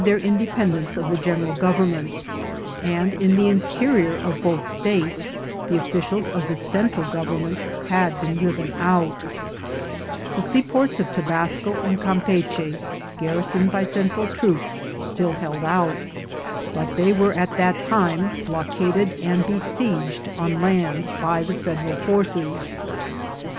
— 3 B 378 INCIDENTS OF TRATEL. independence of the general government, and in the interior of both states the officials of the Central gov ernment had been driven out. The seaports of Tobas co and Campeachy, garrisoned by Central trdops, still held out, but they were at that time blockaded and be sieged on land by the Federal forces.